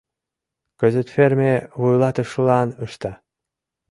Кызыт ферме вуйлатышылан ышта.